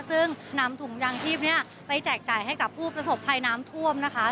ซึ่งนำถุงยางชีพนี้ไปแจกจ่ายให้กับผู้ประสบภัยน้ำท่วมนะคะ